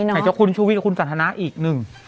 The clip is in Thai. ให้เจ้าคุณชู่วิทย์คุณสันธนาอีกหนึ่ง